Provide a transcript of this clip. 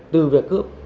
từ việc cướp